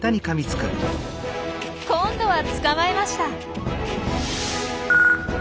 今度は捕まえました！